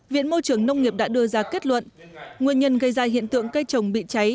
viện môi trường nông nghiệp đã đưa ra kết luận nguyên nhân gây ra hiện tượng cây trồng bị cháy